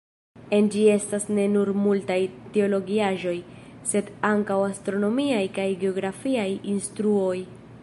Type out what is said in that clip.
En ĝi estas ne nur multaj teologiaĵoj, sed ankaŭ astronomiaj kaj geografiaj instruoj.